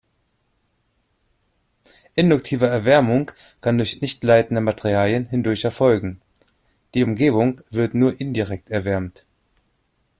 Induktive Erwärmung kann durch nichtleitende Materialien hindurch erfolgen, die Umgebung wird nur indirekt erwärmt.